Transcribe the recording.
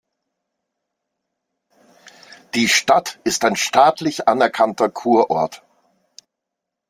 Die Stadt ist ein staatlich anerkannter Kurort.